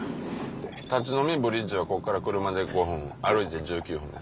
立ち呑みブリッジはここから車で５分歩いて１９分です。